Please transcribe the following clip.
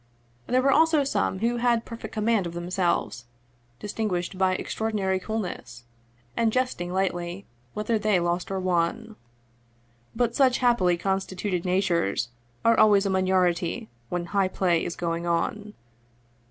There were also some who had perfect command of them selves, distinguished by extraordinary coolness, and jesting lightly whether they lost or won. But such happily con stituted natures are always a minority when high play is going on.